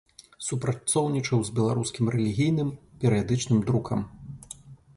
Супрацоўнічаў з беларускім рэлігійным перыядычным друкам.